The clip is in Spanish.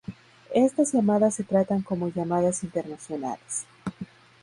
Estas llamadas se tratan como llamadas internacionales.